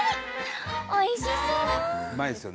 おいしそう！